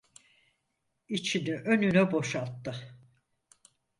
İçini önüne boşalttı.